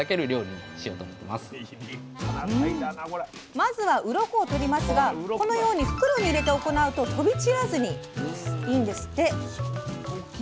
まずはうろこを取りますがこのように袋に入れて行うと飛び散らずにいいんですって！